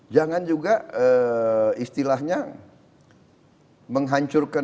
jangan juga istilahnya menghancurkan